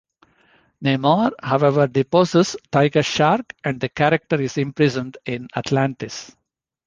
Namor, however, deposes Tiger Shark and the character is imprisoned in Atlantis.